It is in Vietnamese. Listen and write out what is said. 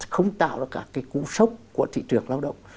không tạo ra cả cái cú sốc của thị trường lao động